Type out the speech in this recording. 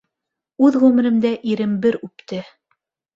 Үҙ ғүмеремдә ирем бер үпте